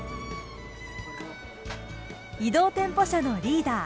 移動店舗車のリーダー